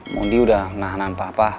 mondi udah menahanan papa